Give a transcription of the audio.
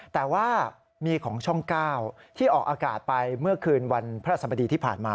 แต่ว่ามีของช่อง๙ที่ออกอากาศไปเมื่อคืนวันพระสบดีที่ผ่านมา